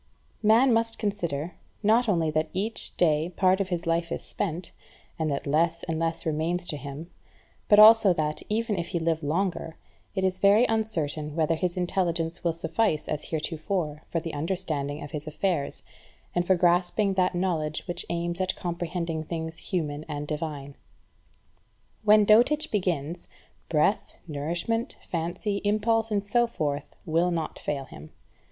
Man must consider, not only that each day part of his life is spent, and that less and less remains to him, but also that, even if he live longer, it is very uncertain whether his intelligence will suffice as heretofore for the understanding of his affairs, and for grasping that knowledge which aims at comprehending things human and divine. When dotage begins, breath, nourishment, fancy, impulse, and so forth will not fail him.